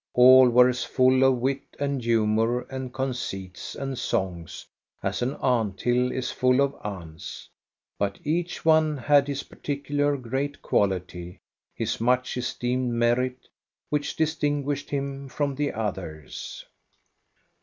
All were as full of wit and humor and conceits and songs as an ant hill is full of ants; but each one had his particular great qual ity, his much esteemed merit which distinguished him from the others.